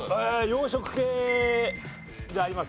洋食系あります。